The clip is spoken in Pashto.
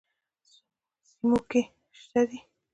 سیموکې شته دي.